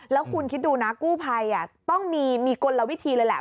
แล้วคุณคิดดูนะกู้ภัยต้องมีกลวิธีเลยแหละ